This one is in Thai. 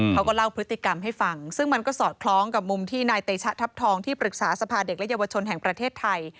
เขาก็เล่าพฤติกรรมให้ฟังซึ่งมันก็สอดคล้องกับมุมที่นายเตชะทัพทองที่ปรึกษาสภาเด็กและเยาวชนแห่งประเทศไทย